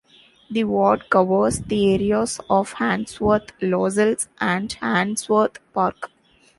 The ward covers the areas of Handsworth, Lozells, and Handsworth Park.